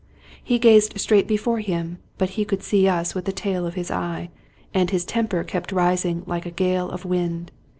He gazed straight before him ; but he could see us with the tail of his eye, and his temper kept rising like a gale of wind.